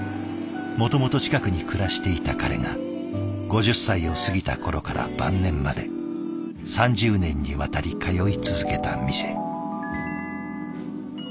もともと近くに暮らしていた彼が５０歳を過ぎた頃から晩年まで３０年にわたり通い続けた店。